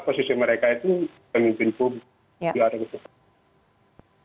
posisi mereka itu pemimpin publik